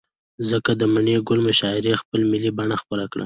ځكه د مڼې گل مشاعرې خپله ملي بڼه خپله كړه.